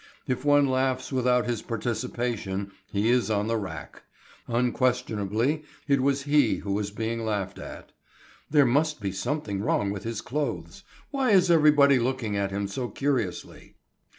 If one laughs without his participation he is on the rack; unquestionably it was he who was being laughed at: there must be something wrong with his clothes. Why is everybody looking at him so curiously?